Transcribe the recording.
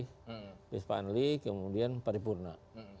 terus panli kemudian paripurna